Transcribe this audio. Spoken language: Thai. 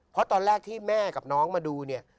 เพราะตอนแรกที่แม่กับน้องมาดูเนี่ย